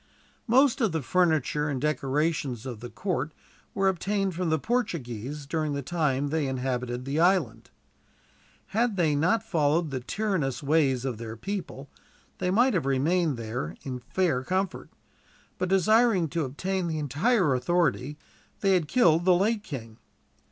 Most of the furniture and decorations of the court were obtained from the Portuguese, during the time that they inhabited the island. Had they not followed the tyrannous ways of their people, they might have remained there in fair comfort; but, desiring to obtain the entire authority, they had killed the late king.